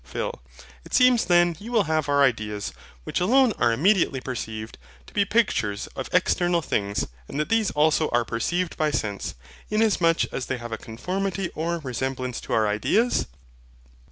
PHIL. It seems then you will have our ideas, which alone are immediately perceived, to be pictures of external things: and that these also are perceived by sense, inasmuch as they have a conformity or resemblance to our ideas?